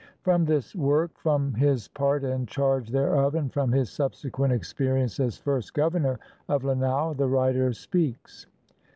From this work, from his part and charge thereof, and from his subsequent experience as first governor of Lanao, the writer speaks.